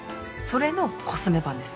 それのコスメ版です。